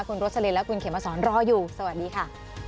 คุณโรสลินและคุณเขมสอนรออยู่สวัสดีค่ะ